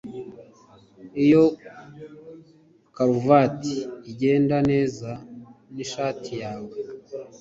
Iyo karuvati igenda neza nishati yawe